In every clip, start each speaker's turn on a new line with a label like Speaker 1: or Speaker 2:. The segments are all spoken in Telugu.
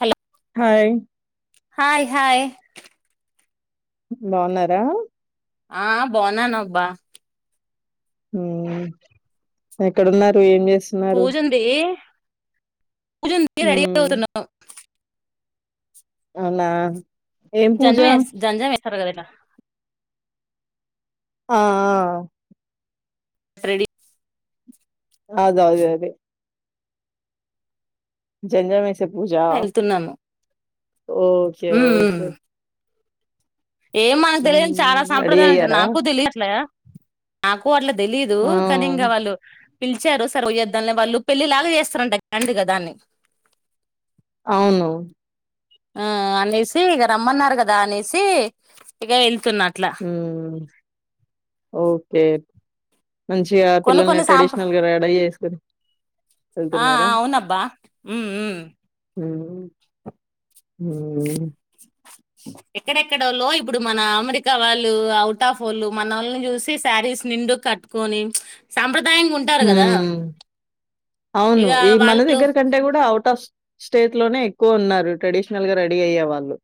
Speaker 1: హలో
Speaker 2: హాయి
Speaker 1: హాయ్ హాయ్
Speaker 2: బాగున్నారా
Speaker 1: ఆ బావున్నానబ్బా
Speaker 2: ఎక్కడున్నారు ఏం చే
Speaker 1: పూజుంది పూజుంది రెడి
Speaker 2: హ్మ్.
Speaker 1: [unintelligible]
Speaker 2: అవునా ఏం పూజ?
Speaker 1: జన్మే జంజమేసర కద
Speaker 2: ఆ
Speaker 1: రెడీ
Speaker 2: అద అదే అదే [unintelligible] పూజా
Speaker 1: వెళ్తున్నాము
Speaker 2: ఒకే
Speaker 1: ఉమ్
Speaker 2: ఒకే
Speaker 1: ఏం మనకు తెలియదు చాలా
Speaker 2: హ్మ్. రెడీ
Speaker 1: సాంప్రదాయం అంటే
Speaker 2: అయ్యారా?
Speaker 1: నాకు తెలియట్లే నాకు అట్ల తెలీదు
Speaker 2: ఆ!
Speaker 1: కానీ ఇంగ వాళ్ళు పిలిచారు సర వయ్యేద్దాని వాళ్ళు పెళ్ళిలాగ చేస్తారంట గా దాన్ని
Speaker 2: అవును
Speaker 1: ఆ అనేసి ఇగా రమ్మన్నారు కదా అనేసి ఇక వె
Speaker 2: హు ఒకే మంచిగా
Speaker 1: కొన్ని
Speaker 2: పిల్లల్ని
Speaker 1: కొన్ని సాంప్ర
Speaker 2: ట్రెడిషనల్ గా రెడీ [unintelligible]
Speaker 1: ఆ
Speaker 2: వెళ్తున్నారా?
Speaker 1: అవునబ్బా ఉ ఉ
Speaker 2: [unintelligible]
Speaker 1: ఎక్కడెక్కడోళ్ళు ఇప్పుడు మన అమెరికా వాళ్ళు అవుట్ ఆఫ్ వాళ్ళు మన ఒళ్ళని చూసి శారీ నిండు కట్టుకొని సాంప్రద
Speaker 2: హ అవును
Speaker 1: ఇక
Speaker 2: ఈ మన
Speaker 1: వాళ్ళు
Speaker 2: దగ్గర కంటే కూడా అవుట్ ఫస్ట్ స్టేట్ లోనే ఎక్కువ ఉన్నారు. ట్రెడిషనల్ గా రెడీ అయ్యే వాళ్ళు.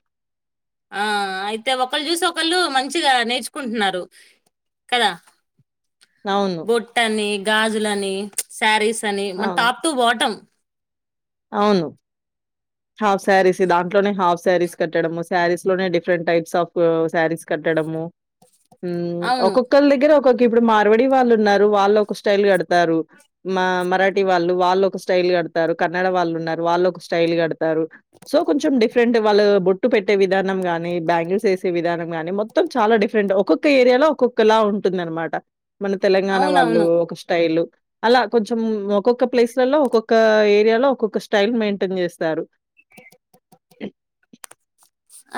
Speaker 1: ఆ అయితే ఒకళ్ళు చూసి, ఒకళ్ళు మంచిగా నేర్చుకుంటున్నారు. కదా!
Speaker 2: అవును.
Speaker 1: బొట్టని, గాజులని, శారీస్ అని మ
Speaker 2: అవును.
Speaker 1: Top to bottom.
Speaker 2: అవును. హావ్ శారీస్ దాంట్లోనే హావ్ శారీస్ కట్టడము, శారీస్ లోనే డిఫరెంట్ టైప్స్ ఆఫ్ శారీస్ కట్టడము. మ్
Speaker 1: అవును
Speaker 2: ఒకొక్కలు దగ్గర ఒ కోకి ఇప్పుడు మారవడి వాళ్ళు ఉన్నారు. వాళ్ళు ఒక స్టైల్ కడతారు. మా మరాఠీ వాళ్ళు, వాళ్ ఒక స్టై ఇ కడతారు. కన్నడ వాళ్ళు ఉన్నారు. వాళ్ళు ఒక స్టైల్ కడతారు. సో కొంచెం డిఫరెంట్. వాళ్ళు బొట్టు పెట్టే విధానం గా నీ బ్యాంగిల్స్ వేసే విధానం కానీ, మొత్తం చాలా డిఫరెంట్. ఒక్కొక్క ఏరియాలో ఒక్కొక్కలా ఉంటుందనమాట. మన తెలంగాణ
Speaker 1: అవునవును
Speaker 2: వాళ్ళు ఒక స్టైల్. అలా కొంచెం ఒక్కొక్క ప్లేస్లలో ఒక్కొక్క ఏరి యాలో ఒక్కొక్క స్టైల్ మెయింటెన్ చేస్తారు.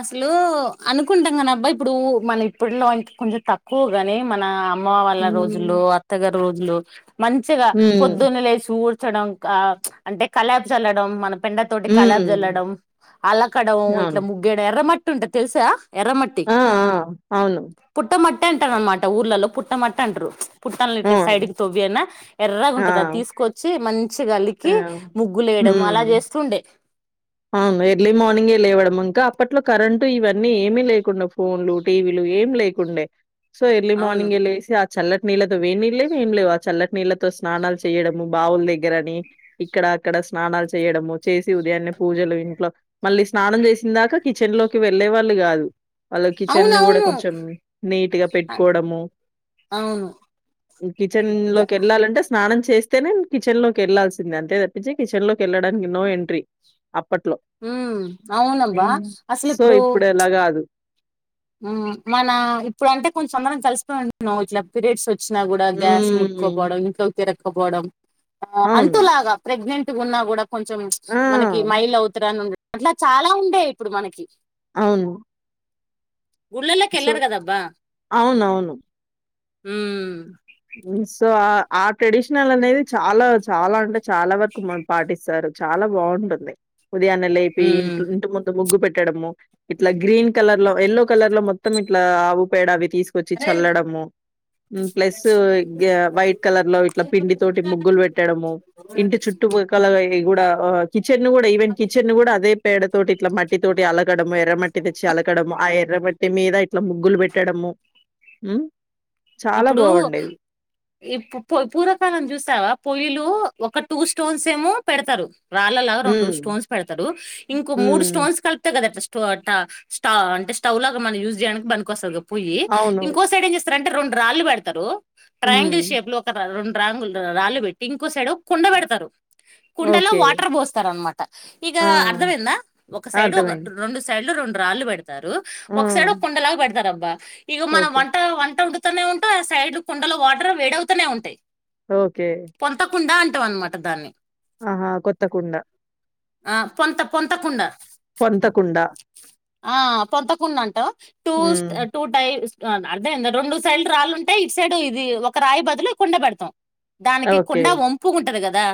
Speaker 1: అసలు అనుకుంటాం కానబ్బా, ఇప్పుడు మన ఇప్పట్లో ఇంక కొంచెం తక్కువ గాని, మన అమ్మ వాళ్ళ రోజులు,
Speaker 2: హ్మ్.
Speaker 1: అత్తగారి రోజులు, మంచిగా
Speaker 2: హ్మ్.
Speaker 1: పొద్దున్నే లేసి ఊ చడం. అంటే, కల్లాపి చల్లడం, మనం పెండ తోటి కల్లాపి
Speaker 2: హ్మ్.
Speaker 1: జల్లడం. అలకడం,
Speaker 2: అవును.
Speaker 1: ఇట్లా ముగ్గయడం, ఎర్ర మట్టి ఉంటది తెలుసా! ఎర్రమట్టి.
Speaker 2: ఆ! ఆ! అవును.
Speaker 1: పుట్టమట్టి అంటారు అనమాట. ఊర్లలో పుట్టమట్టి అంటారు. పుట్టల్ ని
Speaker 2: ఆ!
Speaker 1: ఇట్ల సైడ్కి తవ్వ అయినా, ఎర్రగుంటది. అది
Speaker 2: ఆ!
Speaker 1: తీసుకొచ్చి మన్ చిగ
Speaker 2: ఆ
Speaker 1: అలికి ముగ్గులేయడం. అలా
Speaker 2: హ్మ్
Speaker 1: చేస్తుండే.
Speaker 2: అవును. ఎర్లీ మార్నింగ్ ఎ లేవడముంక అప్పట్లో కరెంటు ఇవన్నీ ఏమీ లేకుండ. ఫోన్లు, టీవీలు ఏమి లేకుండే. సో ఎర్లీ
Speaker 1: అవును
Speaker 2: మార్నింగ్ ఎ లేసి చల్లటి నీళ్ళతో, వేనీళ్ లేవ్, ఏం లేవు. ఆ చల్లటి నీళ్ళతో స్నానాలు చేయడము. బావుల దగ్గరని, ఇక్కడ అక్కడ స్నానాలు చేయడము. చేసి ఉదయాన్నే, పూజలు ఇంట్లో. మళ్ళీ స్నానం చేసిన దాకా, కిచెన్ లోకి వెళ్లేవాళ్లు కాదు. వాళ్ళు కిచెన్
Speaker 1: అవును
Speaker 2: ని కూడా
Speaker 1: అవును
Speaker 2: కొంచెం నీట్గా పెట్టుకోవడము.
Speaker 1: అవును
Speaker 2: కిచెన్ లోకి ఎళ్ళాలంటే స్నానం చే చేస్తేనే కిచెన్ లోకి వెళ్లాల్సింది. అంతే తప్పించి కిచెన్ లోకి వెళ్ళడానికి నో ఎంట్రీ. అప్పట్లో.
Speaker 1: మ్ అవునబ్బా.
Speaker 2: హ్మ్.
Speaker 1: అసల్
Speaker 2: సో,
Speaker 1: ఇప్పుడు
Speaker 2: ఇప్పుడలా గాదు.
Speaker 1: మ్ మన ఇప్పుడు అంటే, కొంచెం అందరం కలిసిపోయి ఉంటున్నామ్. ఇట్ల పీరియడ్స్ వ వచ్చినా కూడా గ్యాస్
Speaker 2: హ్మ్.
Speaker 1: ముకోపోవడం, ఇంట్లో తిరకపోవడం, అంటు
Speaker 2: అవును.
Speaker 1: లాగ ప్రెగ్నెంట్ ఉన్నా కూడా కొంచెం
Speaker 2: ఆ!
Speaker 1: మనకి మైల్ అవతరాన్ని ఉండ. అట్లా, చాలా ఉండే ఇప్పుడు మనకి.
Speaker 2: అవును సో
Speaker 1: గుల్లల్లేకెల్లర్ కదబ్బా!
Speaker 2: అవునవును.
Speaker 1: మ్
Speaker 2: మ్ సో, ఆ, ఆ ట్రెడిషనల్ అనేది చాలా చాలా అంటే చాలా వరకు పాటిస్తారు. చాలా బాగుంటుంది. ఉదయాన్న లేపి, ఇ
Speaker 1: హ్మ్.
Speaker 2: ఇంటి ముందు ముగ్గు పెట్ ట్టడము ఇట్లా గ్రీన్ కలర్ లో, ఎల్లో కలర్ లో మొత్తం ఇట్లా ఆవు పేడ అవి తీసుకొచ్చి చల్లడము, మ్ ప్లస్ తు గ్యా వైట్ కలర్ లో ఇట్లా పిండి తోటి ముగ్గులు పెట్టడము, ఇంటి చుట్టుపక్కల కూడా కిచెన్ ను కూడా, ఈవెన్ కిచెన్ ని కూడా అదే పేడ తోటి, ఇట్లా మట్టి తోటి అల కడము, ఎర్రమట్టి తెచ్చి అలకడము, ఆ ఎర్రమట్టి మీద ఇట్ల ముగ్గులు పెట్టడము. మ్ చాలా
Speaker 1: ఇప్పుడు
Speaker 2: బాగుండేది.
Speaker 1: ఇప్పు పోయి పూర్వకాలం చూసావా, పొయ్యిలు ఒక టూ స్టోన్స్ ఏమో పెడతారు. రాళ్ళలాగా రొండు
Speaker 2: హ్మ్.
Speaker 1: స్టోన్స్ పెడతారు ఇంకో మూడు
Speaker 2: హ్మ్.
Speaker 1: స్టోస్ కలిపితే కదా, అట్ల టు అట స్ట అంటే స్టవ్ లాగా మనం యూజ్ చేయడానికి పనికోస్తది కద పొయ్యి,
Speaker 2: అవును.
Speaker 1: ఇంకో సైడ్ ఏం చేస్తరన్ రొండు రాళ్లు పెడతారు.
Speaker 2: హ్మ్.
Speaker 1: ట్రయాంగిల్ షేప్ లో ఒక రో రాంగులు రాళ్ళు పెట్టి ఇంకో సైడు, కుండ పెడతారు. కుండలో
Speaker 2: ఓకే.
Speaker 1: వాటర్ పోస్తరనమాట ఇగా
Speaker 2: ఆ!
Speaker 1: అర్ధమైందా ఒక సైడ్ ఒకట్
Speaker 2: అర్థమైంది.
Speaker 1: రెండు సైడ్లు రోండ్ రాళ్ళు బెడతరు
Speaker 2: ఆ!
Speaker 1: ఒక సైడ్ ఒ కుండలాగ పెడతారబ్బా ఇగ మనం
Speaker 2: ఓకే.
Speaker 1: వంట వంట్ తనే ఉంటం ఆ సైడ్లో కుండల వాటర్ వేడవుతనే ఉంటయి.
Speaker 2: ఓకే
Speaker 1: టవ్ అనమాట దాన్ని
Speaker 2: ఆహా! కొత్త కుండ.
Speaker 1: ఆ పొంత పొంతకుండ
Speaker 2: పొంత కుండా
Speaker 1: ఆ పొంతకుండంటం, టూస్
Speaker 2: హ్మ్.
Speaker 1: టూ టై అర్థమైంద? రెండు సైడ్లు రాళ్ళు ఉంటే ఇటు సైడ్ ఇది ఒక రాయి బదులు కుండ బెడతం దానికి
Speaker 2: ఓకే.
Speaker 1: కుండ వంపుగుంటది గదా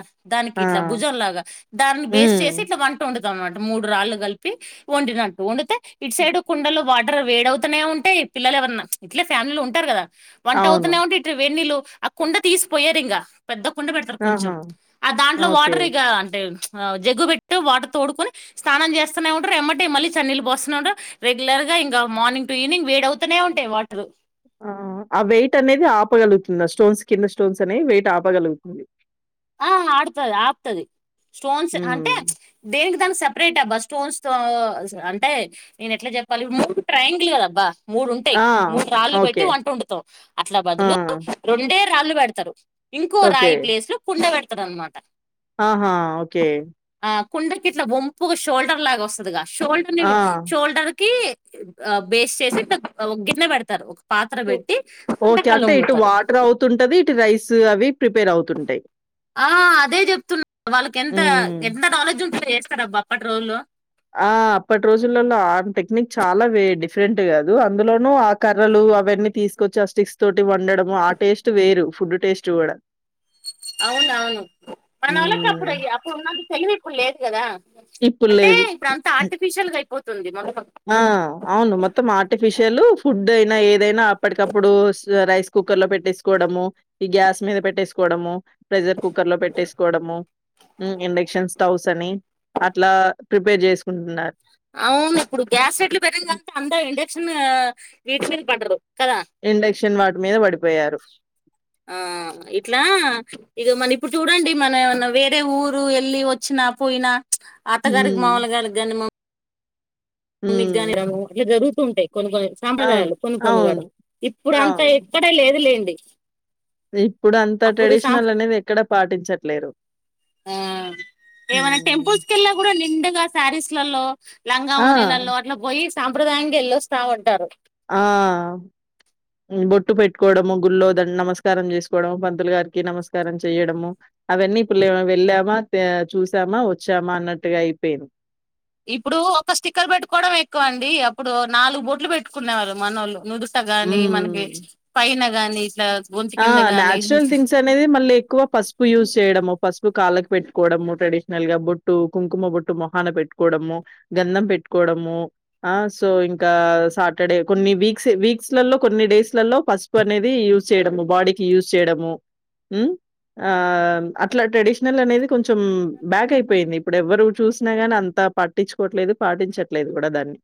Speaker 2: ఆ!
Speaker 1: దానికిట్లా భుజంలాగా, దాన్ని బేస్ట్
Speaker 2: హ్మ్.
Speaker 1: చేసి ఇట్ల వంటోమ్డుతం తం అంటు మూడు రాళ్ళు గల్పి వండినట్టు వండితే ఇటు సైడ్ కుండలు వాట్ టర్ వేడవుతనే ఉంటయి పిల్లలు ఎవరన్న ఇట్లే ఫ్యామిలీలు ఉంటరు గదా వంట
Speaker 2: అవును.
Speaker 1: అవుతనే ఉంటే ఇట్ వెన్నీలు ఆ కుండ తీసిపోయ్యరింగా పెద్ద కుండ పెడతరు కొంచెం,
Speaker 2: ఆహా!
Speaker 1: ఆ దాంట్లో వాటర్ ఇగ అంటే ఆ జగ్గు బెట్టు వాటర్ తోడుకుని స్నానం చేస్తనే ఉంటారు ఏమ్మటే మల్లి చనీళ్లు పోస్తనే ఉంటరు రెగ్యులర్గా ఇంగా మార్నింగ్ టు ఈవినింగ్ వేడి అవుతనే ఉంటయి వాటర్
Speaker 2: ఆ ఆ వెయిట్ అనేది ఆపగలుగుతుంద స్టోన్స్ కింద స్టోన్స్ అనేయి వెయిట్ ఆపగలుగుతుంది.
Speaker 1: ఆ ఆడుతది ఆపుతది, స్టోన్స్ అంటే
Speaker 2: హ్మ్.
Speaker 1: దేనిక్ దానికి సెపరేట్ అబ్బ స్టోన్స్ తో అంటే నేనెట్ల చెప్పాలి మూడు ట్రయాంగిల్ గదబ్బా మూడుంటయి
Speaker 2: ఆ!
Speaker 1: మూడు రాళ్ళు పెట్టి
Speaker 2: ఓకే.
Speaker 1: వంట వండుతం, అట్ల
Speaker 2: ఆ!
Speaker 1: బదులు రెండే రాళ్ళు బెడతరు ఇంకో
Speaker 2: ఓకే.
Speaker 1: రాయి ప్లేస్ లో కుండ బెడతరన్నమాట.
Speaker 2: ఆహా ఓకే
Speaker 1: కుండకిట్ల వంపుగా షోల్డర్ లాగ వస్తదిగా, షోల్డర్ ని
Speaker 2: ఆ!
Speaker 1: షోల్డర్ కి ఆ బేస్ చేసి పె ఒగిన్నె బెడతారు ఒక్ పాత్ర
Speaker 2: ఓ
Speaker 1: బెట్టి వంటకాలమ్ముతాడు
Speaker 2: ట్ రైస్ అవి ప్రిపేర్ అవుతుంటయి
Speaker 1: ఆ అదే జెప్తున్నా వాళ్ళకేంత
Speaker 2: హ్మ్.
Speaker 1: ఎంత నాలెడ్జ్ ఉంటె అట్ల జేస్తరబ్బా, అప్పటి రోజుల్లో
Speaker 2: ఆ అప్పటి రోజుల్లల్లో ఆ టెక్నిక్ చాలా వే డిఫరెంట్ గదు అందులోనూ ఆ కర్రలు లు అవన్నీ తీసుకొచ్చి ఆ స్టిక్స్ తోటి వండడము ఆ టేస్ట్ వేరు ఫుడ్ టేస్ట్ గుడా
Speaker 1: అవునవును మన ఓళ్ళకి
Speaker 2: హ్మ్.
Speaker 1: అప్పుడు ఇ అప్పుడున్నంత తెలివి ఇప్పుడు లేదు గదా
Speaker 2: ఇప్పుడు
Speaker 1: అంటే
Speaker 2: లేదు.
Speaker 1: ఇప్పుడంతా ఆర్టిఫిషియల్ గా అయిపోతుంది మొత్తం
Speaker 2: ఆ అవును మొత్తం ఆర్టిఫిషియల్ ఫుడ్ అయినా ఏదైనా అప్పటికప్పుడు స్ రైస్ కుక్కర్ లో పెట్టేసుకోవడము, ఈ గ్యాస్ మీద పెట్టేసుకోవడము ప్రెషర్ కుక్కర్ లో పెట్టేసుకోవడము ఇండక్షన్ స్టవ్స్ అని, అట్లా ప్రిపేర్ జేసుకుంటున్నారు.
Speaker 1: అవును. ఇప్పుడు గ్యాస్ రేట్లు పెరిగింధంత అంతా ఇండక్షన్ వీటి మీద పడ్డరూ. కదా,
Speaker 2: ఇండక్షన్ వాటి మీద పడిపోయారు.
Speaker 1: ఆ ఇట్లా ఇగ మన ఇప్పుడు చూడండి మన వేరే ఊరు వెళ్ళి వచ్చిన పోయినా అత్తగారికి
Speaker 2: హ్మ్.
Speaker 1: మామోల్ల గార్లకు గాని మ్మ్ మమ్మి కి
Speaker 2: హ్మ్.
Speaker 1: గాని రా అట్ల జరుగుతూ ఉంటయ్ కొన్ని కొన్ని
Speaker 2: అవును.
Speaker 1: సాంప్రదాయాలు కొన్ని కొన్నిగాదు
Speaker 2: అవును.
Speaker 1: ఇప్పుడంత ఎక్కడ లేదు లేండి
Speaker 2: ఇప్పుడంత ట్రెడిషనల్ అనేది ఎక్కడ పాటించట్లేరు
Speaker 1: ఆ ఏమైనా
Speaker 2: హ్మ్.
Speaker 1: టెంపుల్స్ కెళ్ళిన గూడా నిండుగ సారీస్లల్లో లంగా
Speaker 2: ఆ!
Speaker 1: ఓనీలల్లో అట్ల పోయి సాంప్రదాయంగా ఎళ్ళొస్తా ఉంటరు
Speaker 2: ఆ ఉమ్ బొట్టు పెట్టుకోవడము గుల్లో ధం నమస్కారం చేసుకోవడము పంతులు గారికి నమస్ కారం చేయడము అవన్నీప్ ప్పుల్లేవు వెళ్ళామా తె చూసామా వచ్చామా అన్నట్టుగా అయిపోయిన్
Speaker 1: ఇప్పుడూ ఒక స్టిక్కర్ పెట్టుకోవడమే ఎక్కువ అండి, అప్పుడు నాలుగు బొట్లు పెట్టుకునేవాళ్ళు మనోళ్లు నుదుట్ గాని మనకి
Speaker 2: హ్మ్.
Speaker 1: పైన గాని ఇట్లా గొంతు
Speaker 2: ఆ
Speaker 1: కింద గాని
Speaker 2: నాచురల్ థింగ్స్ అనేది మళ్ళీ ఎక్కువ పసుపు యూజ్ చేయడము పసుపు కాళ్ళకు పెట్టుకోవడము ట్రెడిషనల్ గా బొట్టు కుంకుమ బొట్టు మొహాన పెట్టుకోవడము గంధం పెట్టుకో డము ఆ సో ఇంకా సాటర్డే కొన్ని వీక్ వీక్స్ లలో కొన్ని డేస్ లలో పసుపు అనేది యూజ్ చేయడము బాడీకి యూజ్ చేయడము ఉమ్ ఆ అట్లా ట్రెడిషనల్ అనేది కొంచెం బ్యాక్ అయిపోయింది ఇప్పుడు ఎవరు చూసినా గాని అంత పట్టించుకోవట్లేదు పాటించట్లేదు కూడా దాన్ని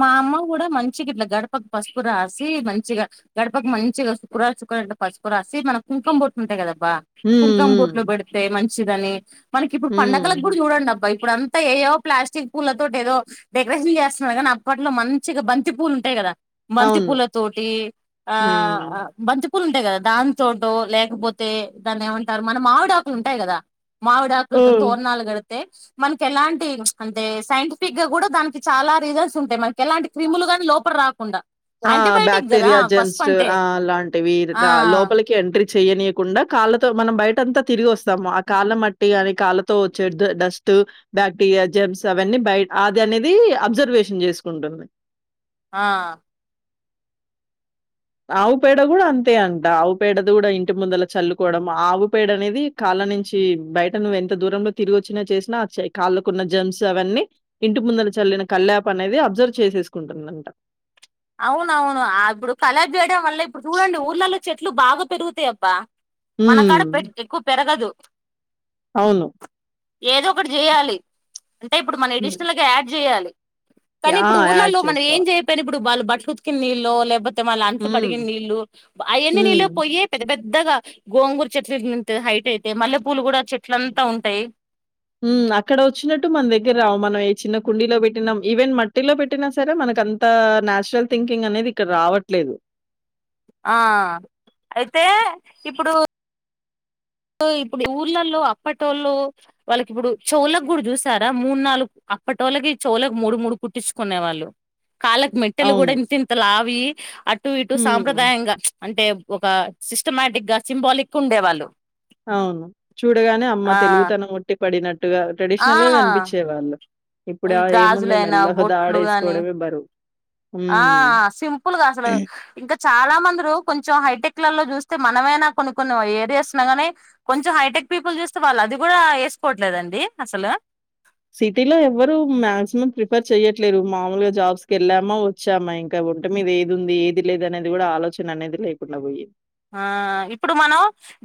Speaker 1: మా అమ్మ కూడా మంచిగా ఇట్లా గడపకు పసుపు రాసి, మంచిగా గడపకి మంచిగా చుకు్రా చు లా పసుపు రాసి మన కుంకుమ బుట్తుంటాయి కదా బా
Speaker 2: హ్మ్.
Speaker 1: కుంకం బొట్లు
Speaker 2: హ్మ్.
Speaker 1: పెడితే మంచిదని మనకి ఇప్పుడు పండుగలకు
Speaker 2: హ్మ్.
Speaker 1: కూడా చూడండి అబ్బా ఇప్పుడంతా ఏవో ప్లాస్టిక్ పూల తతోటి ఏదో డెకరేషన్ చేస్తున్నారు కాగానీ అప్పట్లో మంచిగా బంతి పూలు ఉంటాయి కదా బంతి
Speaker 2: అవును.
Speaker 1: పూల తోటి ఆ
Speaker 2: హ్మ్.
Speaker 1: బంతి ఆకులు ఉంటాయి కదా దాని తోట లేకపోతే దాన్ని ఏమంటారు మనం మావిడ ఆకులు ఉంటాయి కదా మామీడా ఆకులు తో
Speaker 2: హ్మ్.
Speaker 1: తోరణాలు కడతా మనకి ఎలాంటి అంటే సైంటిఫిక్ గా కూడా దానికి చాలా రీజన్ గుంటాయి మనకి ఎలాంటి క్రిములుగానీ లోపలకి రాకుండా
Speaker 2: ఆ
Speaker 1: యాంటీబయాటిక్ కదా
Speaker 2: బాక్టీరియా
Speaker 1: పసుపు
Speaker 2: జెన్స్ట్
Speaker 1: అంటే
Speaker 2: ఆ అలాంటివి
Speaker 1: ఆ
Speaker 2: లోపలికి ఎంట్రీ చెయనీయకుండా కాళ్ళతో మనం బయట అంతా తిరిగి వస్తాము ఆ కాళ్ళ మట్టి అని కాళ్ళతో వచ్చే డస్ట్ బాక్టీరియా జేమ్స్ అవని అది అనేది అబ్జర్వేషన్ చేసుకుంటుంది
Speaker 1: ఆ
Speaker 2: ఆవు పేడ కూడా అంతే అంట ఆవు పేడ దూడ కూడా ఇంటి ముందల చల్లుకోవడం ఆవుపేడ అనేది కాలు నుంచి బయట నువ్వు ఎంత దూరంలో తిరిగి వచ్చినా చేసినా కాళ్ళకున్న జేమ్స్ అవన్నీ ఇంటి ముందు చల్లిన కల్ళ్యాప్ అనేది అబ్జర్వ్ చేసేసుకుంటుందంట
Speaker 1: అవునవును ఇప్పుడు కళక్ చేయడం వల్ల ఇప్పుడు చూడండి ఊర్లలో చెట్లు బాగా పెరుగుతాయ అబ్బా మనకాడ పెట్
Speaker 2: హ్మ్.
Speaker 1: ఎక్కువ పెరగదు
Speaker 2: అవును
Speaker 1: ఏదో ఒకటి చేయాలి అంటే ఇప్పుడు మన
Speaker 2: హ్మ్.
Speaker 1: ఎడిషనల్గా యాడ్ చేయాలి కానీ
Speaker 2: ఆ!
Speaker 1: ఇప్పుడు
Speaker 2: యాడ్
Speaker 1: ఊర్లలో మనం ఏం
Speaker 2: చేసుకోవాలి.
Speaker 1: చెయపోయిన ఇప్పుడు వాళ్ళు బట్టలు ఉతుకిన నీళ్ళు లేకపోతే వాళ్ళు అంటలు
Speaker 2: హ్మ్.
Speaker 1: కడిగిన నీళ్లు అవన్ని
Speaker 2: హ్మ్.
Speaker 1: నీళ్ళలు పోయ పెద్ద పెద్ద పెద్దగా గోంగూరు చెట్లు చెట్లు ఇంత హైట్ అయితే మల్లెపూలు కూడా చెట్ల అంతా ఉంటాయి
Speaker 2: ఉమ్ అక్కడ వచ్చినట్టు మన దగ్గర రావు మనం ఏ చిన్న కుండీలో పెట్టినాం ఈవెన్ మట్టిలో పెట్టినా సరే మన మనకు అంత నచురల్ థింకింగ్ అనేది ఇక్కడ రావట్లేదు
Speaker 1: ఆ అయితే ఇప్పుడు సో ఇప్పుడు ఊర్లల్లో అప్పటి వొళ్లు వాళ్ళకి ఇప్పుడు చేవులకి కుడ చూసారా మూడు నాలుగు అప్పటోల్లకి ఈ చెవులకి మూడు మూడు పుట్టించుకునే వాళ్ళు కాళ్లకు మెట్టెలు కూడా
Speaker 2: అవును.
Speaker 1: ఇంతంత లావూయి అటు ఇటు
Speaker 2: హ్మ్.
Speaker 1: సాంప్రదాయంగా అంటే ఒక సిస్టమాటిక్ గా సింబాలిక్ ఉండేవాళ్ళు
Speaker 2: అవును చూడగానే అమ్మ
Speaker 1: ఆ
Speaker 2: తెలుగుతనం ఉట్టి పడినట్టు టుగా
Speaker 1: ఆ
Speaker 2: ట్రెడిషనల్ గా కనిపించే వాళ్ళు ఇప్పుడు ఆ ఏముంది
Speaker 1: గాజులైనా
Speaker 2: మెల్లో ఒక తాడూ
Speaker 1: బొట్లు గాని
Speaker 2: వేసుకోవడమే బరువు
Speaker 1: ఆ
Speaker 2: హ్మ్.
Speaker 1: సింపుల్గా అసలు ఇంకా చాలా మందిరు కొంచెం హైటెక్ కొన్నిట్లలో చూస్తే మనమైనా కొన్ని కొన్ని ఏరియాస్ లో గాని కొంచెం హైటెక్ పీపుల్ చూస్తే వాళ్ళు అది కూడా వేస్ వేసుకోవట్లేదండి అసలు
Speaker 2: సిటీలో ఎవ్వరూ మాక్సిమం ప్రిఫర్ చెయ్యట్లేదు మామూలుగా జాబ్స్ వెళ్ళామా వచ్చామా ఇంకా వంటి మీద ఏది ఉంది ఏది లేదు అనేది కూడా ఆలోచన అనేది లేకుండా పోయింది
Speaker 1: ఆ ఇప్పుడు మనం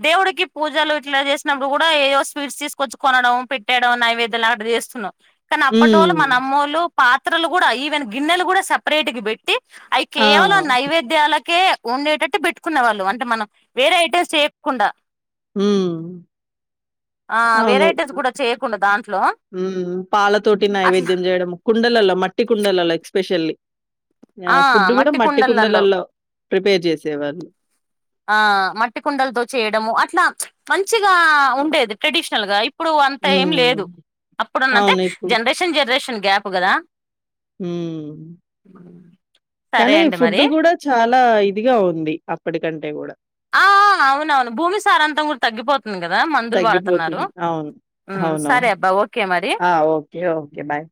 Speaker 1: దేవుడికి పూజలు ఇట్లా చేసినప్పుడు కూడా ఏదో స్వీట్స్ తీసుకొచ్చుకోన పెట్టేడం నైవేద్యం ఆట్లా చేస్తున్నావు కానీ
Speaker 2: హ్మ్.
Speaker 1: అప్పటోళ్ళు మన అమ్మోళ్లు పాత్రలు కూడా ఈవెన్ గిన్నెలు కూడా సపరేట్ గా పెట్టి పెట్టి అవి
Speaker 2: ఆ!
Speaker 1: కేవలం నైవేద్యాలకే ఉండేటట్టు పెట్టుకునే వాళ్ళు అ అంటే మనం వేరే ఐటమ్స్ చేయకుండా
Speaker 2: హమ్
Speaker 1: ఆ వెరైటీస్ కూడా చేయ్యకుండ దాన్
Speaker 2: ఊ పాలతోటి నైవేద్యం చేయడం కుండలల మట్టి కుండలల ఎక్స్పెషల్లీ ఆ ఫుడ్ కూడా మట్టి కుండలలో ప్రిపేర్ చేసేవాళ్ళు
Speaker 1: ఆ మట్టి కుండలతో చేయడము అట్లా ప్చ్ మంచిగా ఉండేది ట్రెడిషనల్ గా ఇప్ ఇప్పుడు అంత ఏం
Speaker 2: హ్మ్.
Speaker 1: లేదు అప్పుడున్నంతె
Speaker 2: అవును. ఇప్పుడు
Speaker 1: జనరేషన్ జరేషన్ గ్యాప్ కదా
Speaker 2: ఊ
Speaker 1: సరే
Speaker 2: కానీ
Speaker 1: అండి
Speaker 2: ఫుడ్
Speaker 1: మరి
Speaker 2: కూడా చాలా ఇదిగా ఉంది అప్పటికంటే గూడా
Speaker 1: ఆ అవునవును భూమి సారాంతం కూడా తగ్గిపోతుంది కదా మందులు వాడుతున్నారు
Speaker 2: తగ్గిపోతుంది. అవును.
Speaker 1: సరే
Speaker 2: అవునవును.
Speaker 1: అబ్బా ఓకే మరి
Speaker 2: ఆ ఓకే ఓకే బాయ్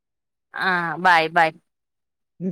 Speaker 1: ఆ బాయ్ బాయ్
Speaker 2: ఉ